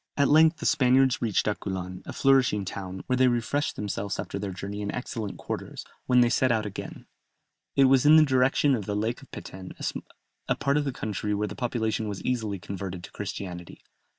At length the Spaniards reached Aculan, a flourishing town, where they refreshed themselves after their journey in excellent quarters; when they set out again, it was in the direction of the Lake of Peten, a part of the country where the population was easily converted to Christianity.